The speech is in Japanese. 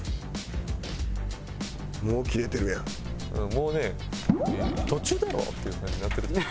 もうね「途中だろ」っていう感じになってると。